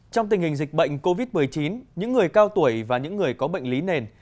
trong tình hình dịch bệnh covid một mươi chín những người cao tuổi và những người có bệnh lý nền